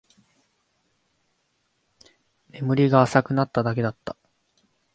眠りが浅くなっただけだった